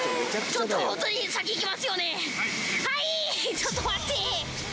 ちょっと待って。